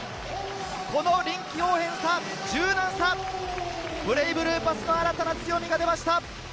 臨機応変さ、柔軟さ、ブレイブルーパスの新たな強みが出ました。